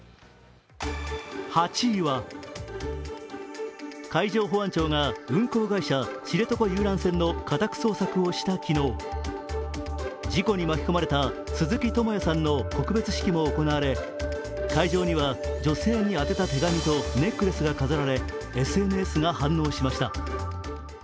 ８位は、海上保安庁が運航会社、知床遊覧船の家宅捜索をした昨日、事故に巻き込まれた鈴木智也さんの告別式も行われ会場には、女性に宛てた手紙とネックレスが飾られＳＮＳが反応しました。